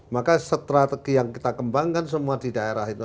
maka strategi yang kita kembangkan semua di daerah itu